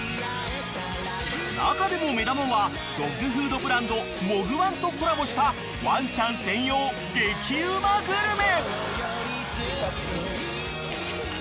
［中でも目玉はドッグフードブランドモグワンとコラボしたワンちゃん専用激うまグルメ］